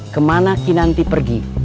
kemana kinanti pergi